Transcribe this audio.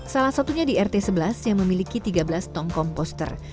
salah satunya di rt sebelas yang memiliki tiga belas tong komposter